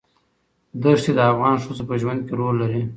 دښتې د افغان ښځو په ژوند کې رول لري.